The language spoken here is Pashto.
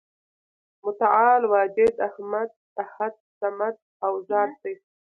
متعال واجد، احد، صمد او ذات دی ،